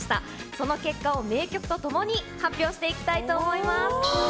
その結果を名曲とともに発表していきたいと思います。